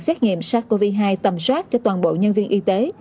xét nghiệm sars cov hai tầm soát cho toàn bộ nhân viên y tế